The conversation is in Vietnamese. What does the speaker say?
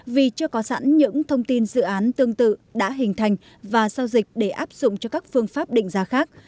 vì chưa có sẵn những thông tin dự án tương tự đã hình thành và giao dịch để áp dụng cho các phương pháp định giá khác